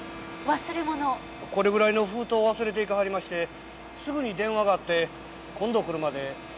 これぐらいの封筒忘れていかはりましてすぐに電話があって今度来るまで預かっといてほしいて。